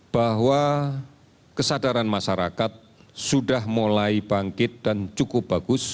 bahwa kesadaran masyarakat sudah mulai bangkit dan cukup bagus